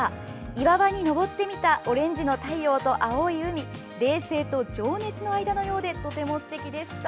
岩場に登って見たオレンジの太陽と青い海「冷静と情熱のあいだ」のようでとてもすてきでした。